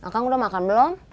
kang udah makan belum